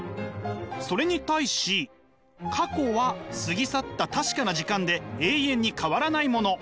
それに対し過去は過ぎ去った確かな時間で永遠に変わらないもの。